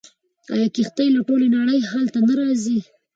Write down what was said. آیا کښتۍ له ټولې نړۍ هلته نه راځي؟